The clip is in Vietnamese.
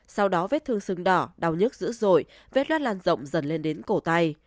sau đó vết thương sưng đỏ đau nhức dữ dội vết loát lan rộng dần lên đến cổ tay